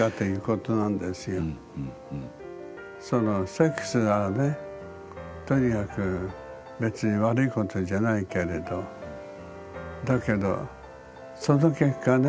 セックスがねとにかく別に悪いことじゃないけれどだけどその結果ね